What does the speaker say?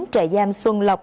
trại giam xuân lộc